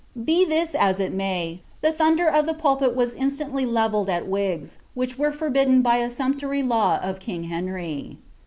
Be this as it may, the thunder of the pulpit was in stantly levellecf at wigs, which were forbidden by a sumptuary law o^ king Henry.